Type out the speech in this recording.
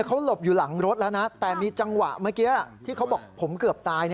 เขาหลบอยู่หลังรถแล้วนะแต่มีจังหวะเมื่อกี้ที่เขาบอกผมเกือบตาย